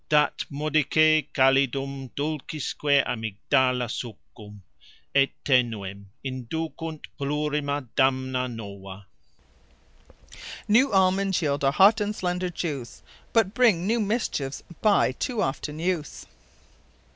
Dat modice calidum dulcisque Amigdala succum, Et tenuem; inducunt plurima damna nova. _New Almonds yeild a Hot and slender juice, But bring new mischiefs by too often use.